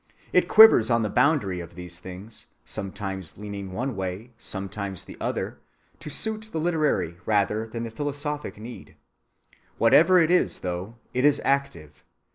It quivers on the boundary of these things, sometimes leaning one way, sometimes the other, to suit the literary rather than the philosophic need. Whatever it is, though, it is active.